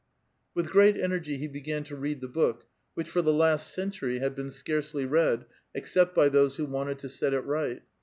With great energy he began to read the book, which for the last century had been scarcely read, except by those who wanted to set it right.